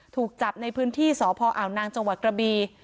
ถูกจับในพื้นที่สพอ่าวนางจังหวัดกระบี